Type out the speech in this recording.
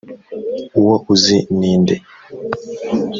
uwo uzi ni nde‽